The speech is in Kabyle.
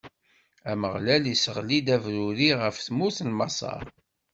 Ameɣlal isseɣli-d abruri ɣef tmurt n Maṣer.